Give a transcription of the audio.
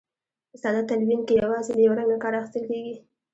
په ساده تلوین کې یوازې له یو رنګ نه کار اخیستل کیږي.